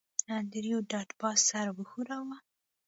انډریو ډاټ باس سر وښوراوه